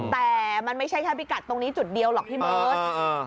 แต่มันไม่ใช่แค่พิกัดตรงนี้จุดเดียวหรอกพี่เบิร์ต